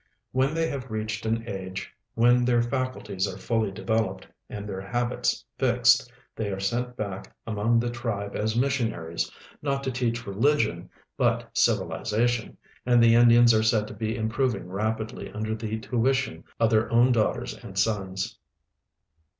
When they have reached an age when their faculties are fully develo])cd and their habits fixed they are sent hack among their tribe as missioiiaries, not to teach religion, hut civili zation, and the Indians are said to he imja'oving ra})idly under the tuition of their own daughters and sons.